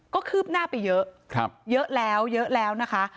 ก็คืบหน้าไปเยอะเยอะแล้วเยอะแล้วนะคะ